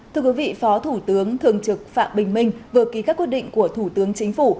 thưa quý vị phó thủ tướng thường trực phạm bình minh vừa ký các quyết định của thủ tướng chính phủ